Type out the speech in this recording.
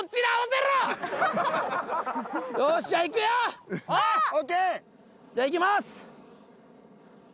じゃあいきます。